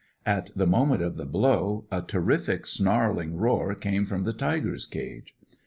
At the moment of the blow, a terrific snarling roar came from the tiger's cage.